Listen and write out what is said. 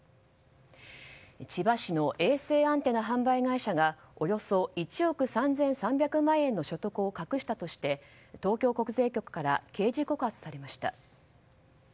千葉市の衛星アンテナ販売会社がおよそ１億３３００万円の所得を隠したとして東京国税局から刑事告発されました。